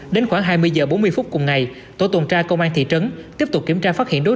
đến khoảng hai mươi h bốn mươi phút cùng ngày tổ tuần tra công an thị trấn tiếp tục kiểm tra phát hiện đối tượng